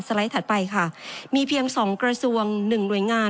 ไลด์ถัดไปค่ะมีเพียง๒กระทรวง๑หน่วยงาน